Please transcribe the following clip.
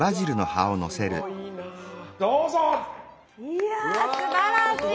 いやすばらしい！